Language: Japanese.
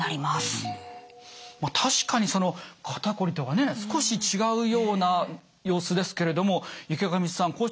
まあ確かにその肩こりとはね少し違うような様子ですけれども池上さん